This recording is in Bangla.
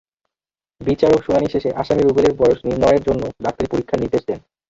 বিচারক শুনানি শেষে আসামি রুবেলের বয়স নির্ণয়ের জন্য ডাক্তারি পরীক্ষার নির্দেশ দেন।